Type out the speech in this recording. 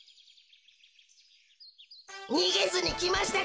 にげずにきましたか？